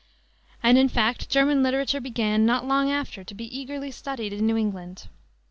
And in fact German literature began, not long after, to be eagerly studied in New England.